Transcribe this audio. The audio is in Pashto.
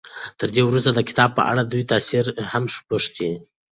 تر دې وروسته د کتاب په اړه د دوی تأثر هم پوښتئ.